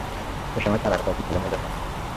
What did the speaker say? এ সময়ে তাঁর আরো কয়েকটি ছেলে-মেয়ে জন্ম নেয়।